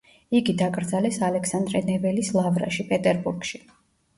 იგი დაკრძალეს ალექსანდრე ნეველის ლავრაში, პეტერბურგში.